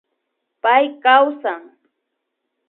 Pay kawsan